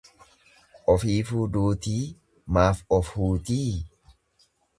Ofiifuu duutii maa of huutii?